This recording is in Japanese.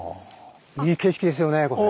いい景色ですよねこれ。